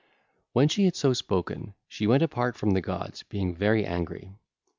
(ll. 331 333) When she had so spoken, she went apart from the gods, being very angry.